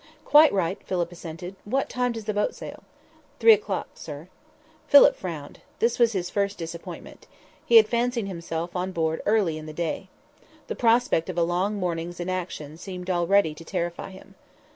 "Quite right," Philip assented. "What time does the boat sail?" "Three o'clock, sir." Philip frowned. This was his first disappointment. He had fancied himself on board early in the day. The prospect of a long morning's inaction seemed already to terrify him.